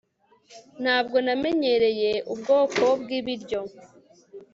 ntabwo namenyereye ubwoko bwibiryo